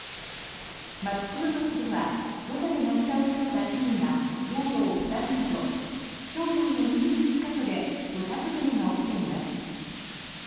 松島町では土砂でなぎ倒された木々が道路を塞ぐなど町内の２１か所で土砂崩れが起きています。